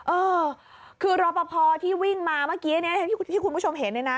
เออคือรอปภที่วิ่งมาเมื่อกี้เนี่ยที่คุณผู้ชมเห็นเนี่ยนะ